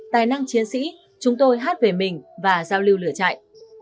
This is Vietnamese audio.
tài năng chiến sĩ chúng tôi hát về mình và giao lưu lửa chạy